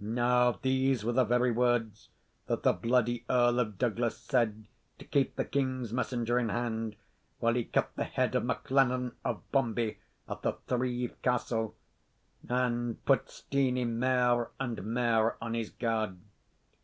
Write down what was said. Now these were the very words that the bloody Earl of Douglas said to keep the king's messenger in hand while he cut the head off MacLellan of Bombie, at the Threave Castle; and put Steenie mair and mair on his guard.